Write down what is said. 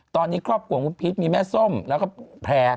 ตอนนี้ครอบครัวของคุณพีชมีแม่ส้มแล้วก็แพร่